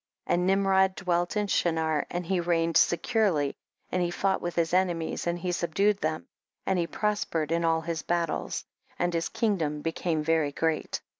And Nimrod dwelt in Shinar, and he reigned securely, and he fought with his enemies and he sub dued them, and he prospered in all his battles, and his kingdom became very great.